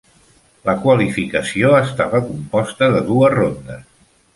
La qualificació estava composta de dues rondes.